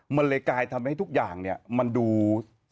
มันเลยกลายทำให้ทุกอย่างเนี่ยมันดู